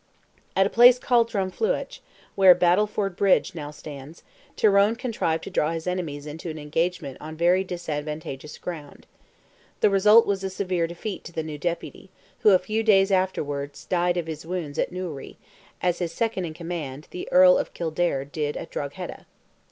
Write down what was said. At a place called Drumfliuch, where Battleford Bridge now stands, Tyrone contrived to draw his enemies into an engagement on very disadvantageous ground. The result was a severe defeat to the new Deputy, who, a few days afterwards, died of his wounds at Newry, as his second in command, the Earl of Kildare, did at Drogheda.